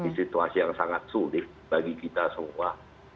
ini situasi yang sangat sulit bagi kita semua